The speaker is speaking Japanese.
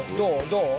どう？